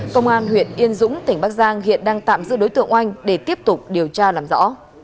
công an huyện yên dũng tỉnh bắc giang hiện đang tạm giữ đối tượng oanh để tiếp tục điều tra làm rõ